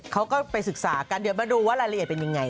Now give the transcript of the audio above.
เขาก็ไปศึกษากันเดี๋ยวมาดูว่ารายละเอียดเป็นยังไง